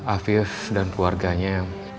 afif dan keluarganya